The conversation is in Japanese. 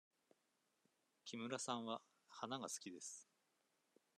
木村さんは花が好きです。